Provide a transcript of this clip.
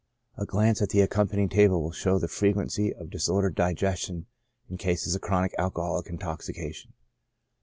A glance at the accompanying table will show the frequency of disordered digestion in cases of chronic alcoholic intoxication.